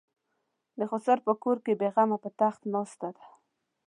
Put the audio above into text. د خسر په کور کې بې غمه په تخت ناسته ده.